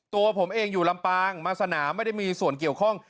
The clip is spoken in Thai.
ตัวผมเองอยู่ลำปางมาสนามไม่ได้มีส่วนเกี่ยวข้อง